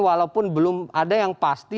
walaupun belum ada yang pasti